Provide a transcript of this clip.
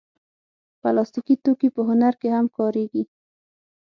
پلاستيکي توکي په هنر کې هم کارېږي.